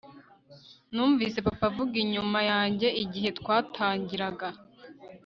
numvise papa avuga inyuma yanjye igihe twatangiraga